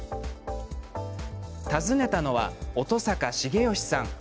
訪ねたのは乙坂重嘉さん。